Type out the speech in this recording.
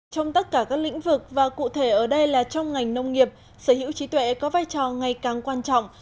trong tất cả các lĩnh vực và cụ thể ở đây là trong ngành nông nghiệp sở hữu trí tuệ có vai trò ngày càng quan trọng